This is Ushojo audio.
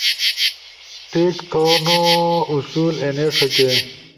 ٹیک تھونو اصول اینے ݜکے